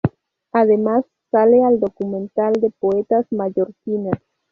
Además, sale al documental de poetas mallorquinas.